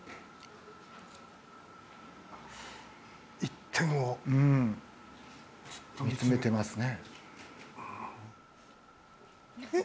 一点を見つめていますね。